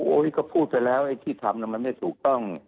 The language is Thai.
ก็พูดไปแล้วไอ้ที่ทำมันไม่ถูกต้อง